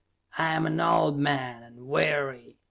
I am an old man, and weary.